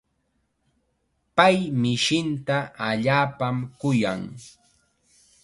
Pay mishinta allaapam kuyan.